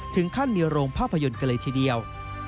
ถึงขั้นมีโรงภาพยนตร์กันเลยทีเดียว